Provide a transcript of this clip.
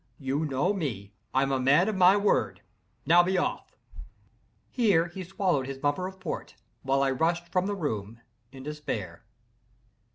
You know me—I'm a man of my word—now be off!" Here he swallowed his bumper of port, while I rushed from the room in despair.